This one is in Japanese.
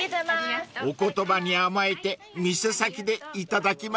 ［お言葉に甘えて店先でいただきましょう］